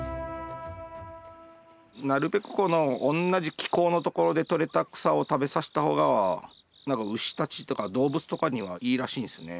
なるべくこのおんなじ気候の所で取れた草を食べさした方が何か牛たちとか動物とかにはいいらしいんすね。